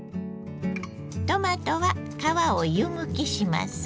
トマトは皮を湯むきします。